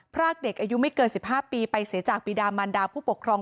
รากเด็กอายุไม่เกิน๑๕ปีไปเสียจากปีดามันดาผู้ปกครอง